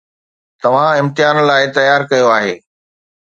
توهان امتحان لاء تيار ڪيو آهي